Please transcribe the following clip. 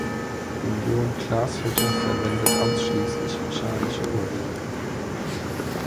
Union Glashütte verwendet ausschließlich mechanische Uhrwerke.